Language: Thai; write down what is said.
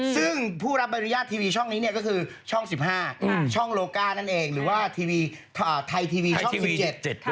ซึ่งผู้รับบรรยายทีวีช่องนี้ก็คือช่อง๑๕ช่องโลกานั่นเองหรือว่าไทยทีวีช่อง๑๗